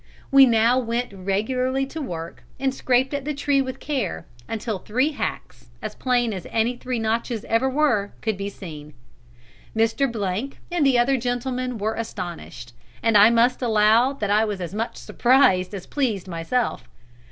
We now went regularly to work and scraped at the tree with care until three hacks, as plain as any three notches ever were, could be seen. Mr. and the other gentlemen were astonished, and I must allow that I was as much surprised as pleased myself.